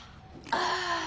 ああ。